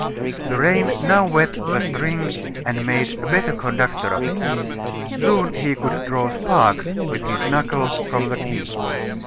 The rain now wet the string and made a better conductor of it. Soon he could draw sparks with his knuckle from the key.